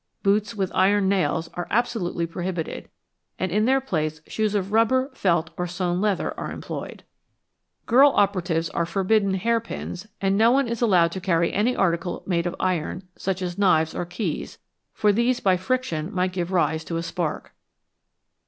Boots with iron nails are abso lutely prohibited, and in their place shoes of rubber, felt, or sown leather are employed. Girl operatives 177 M EXPLOSIONS AND EXPLOSIVES are forbidden hairpins, and no one is allowed to carry any article made of iron, such as knives or keys, for these by friction might give rise to a spark.